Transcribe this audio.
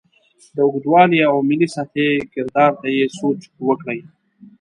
د اوږدوالي او ملي سطحې کردار ته یې سوچ وکړې.